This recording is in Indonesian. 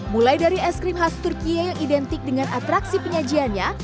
mulai dari es krim khas turki yang identik dengan atraksi penyajiannya